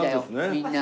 みんな。